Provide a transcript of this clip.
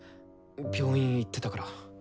病院行ってたから。